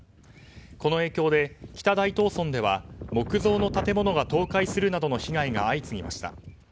この影響で北大東村では木造の建物が倒壊するなどの被害が相次ぎました。